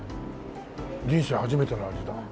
人生初めての味だ。